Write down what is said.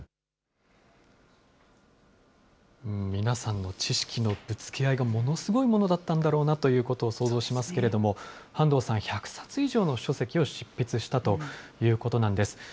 皆さんの知識のぶつけ合いがものすごいものだったんだろうなということを想像しますけれども、半藤さん、１００冊以上の書籍を執筆したということなんです。